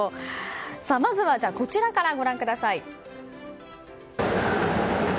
まずはこちらからご覧ください。